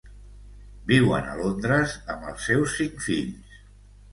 Viuen a Londres amb els seus cinc fills.